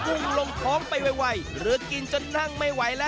แต่ว่าแต่ละคนเนี่ยไม่รู้ว่าตั้งใจมาแข่งกันจริงหรือเปล่านะ